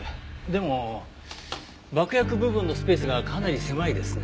でも爆薬部分のスペースがかなり狭いですね。